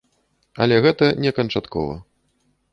Але гэта не канчаткова.